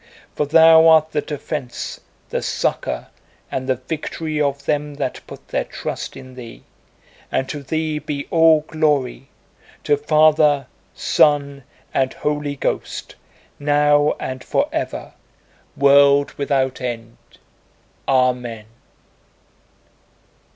For Thou art the defense, the succor, and the victory of them that put their trust in Thee, and to Thee be all glory, to Father, Son, and Holy Ghost, now and forever, world without end. Amen."